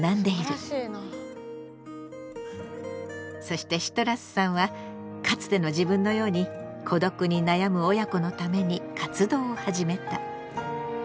そしてシトラスさんはかつての自分のように孤独に悩む親子のために活動を始めた。